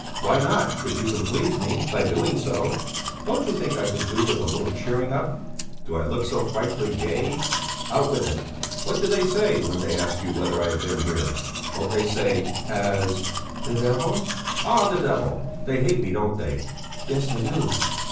"Why not if you can please me by doing so? Don't you think I could do with a little cheering up? Do I look so frightfully gay? Out with it! What do they say when they ask you whether I have been here? Don't they say: Has...." "The devil...." "Ah, the devil! They hate me, don't they?" "Yes, they do!"